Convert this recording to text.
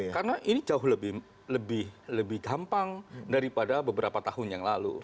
karena ini jauh lebih gampang daripada beberapa tahun yang lalu